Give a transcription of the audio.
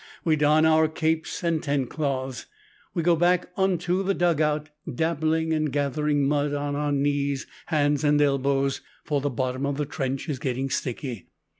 We don our capes and tent cloths. We go back unto the dug out, dabbling, and gathering mud on our knees, hands, and elbows, for the bottom of the trench is getting sticky.